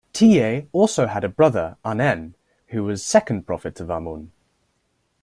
Tiye also had a brother, Anen, who was Second Prophet of Amun.